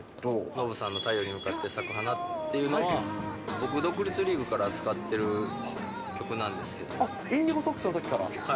ノブさんの太陽に向かって咲く花っていうのが、僕、独立リーグから使ってる曲なんですけど。のときから？